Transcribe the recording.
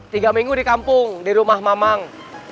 tiga minggu di kampung di rumah mamang